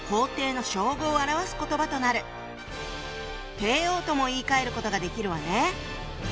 「帝王」とも言いかえることができるわね。